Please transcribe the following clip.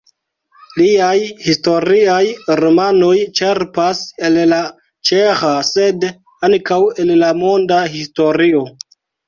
Liaj historiaj romanoj ĉerpas el la ĉeĥa, sed ankaŭ el la monda historio.